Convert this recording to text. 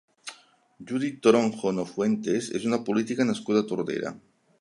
Judith Toronjo Nofuentes és una política nascuda a Tordera.